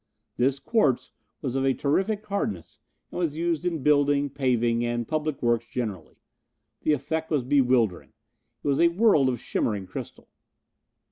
This quartz was of a terrific hardness and was used in building, paving, and public works generally. The effect was bewildering. It was a world of shimmering crystal.